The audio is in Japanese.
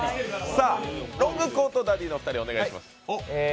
ロングコートダディのお二人、お願いします。